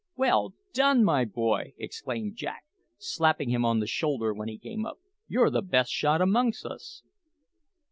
"Well done, my boy!" exclaimed Jack, slapping him on the shoulder when he came up. "You're the best shot amongst us."